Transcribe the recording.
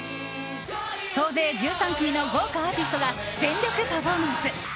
総勢１３組の豪華アーティストが全力パフォーマンス。